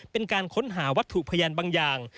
เป็นการค้นหาวัตถุพยานบางอย่าง